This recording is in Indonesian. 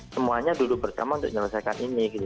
semuanya dulu pertama untuk menyelesaikan ini